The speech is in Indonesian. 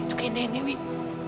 itu kayak nenek win